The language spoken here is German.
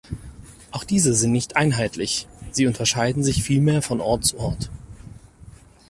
Auch diese sind nicht einheitlich; sie unterscheiden sich vielmehr von Ort zu Ort.